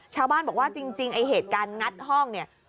ชาวบ้านบอกว่าจริงไอ้เหตุการณ์งัดห้องเนี่ย